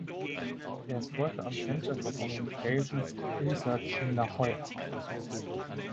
Er ist Forscher am Center for Communications Research in La Jolla.